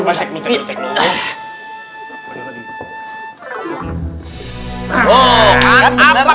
masuk masuk masuk